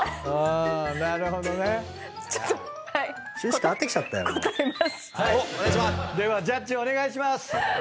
ではジャッジをお願いします。